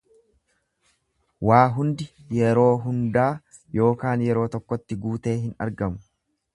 Waa hundi, yeroo hundaa yookaan yeroo tokkotti guutee hin argamu.